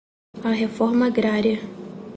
a reforma agrária